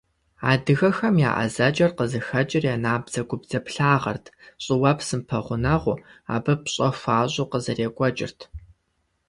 Адыгэхэм я ӏэзэкӏэр къызыхэкӏыр я набдзэгубдзаплъагъэрт, щӏыуэпсым пэгъунэгъуу, абы пщӏэ хуащӏу къызэрекӏуэкӏырт.